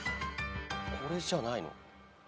これじゃないの？